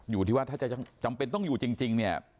อยู่ที่ว่าถ้าจะจำเป็นต้องอยู่จริงเนี่ย